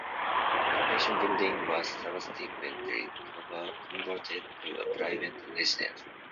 The station building was subsequently converted to a private residence.